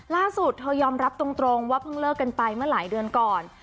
ล่าสุดเธอยอมรับตรงว่าเพิ่งเลิกกันไปเมื่อหลายเดือนก่อน